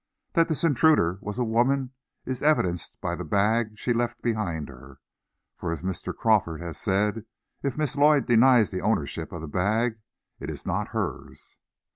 That this intruder was a woman, is evidenced by the bag she left behind her. For, as Mr. Crawford has said, if Miss Lloyd denies the ownership of that bag, it is not hers."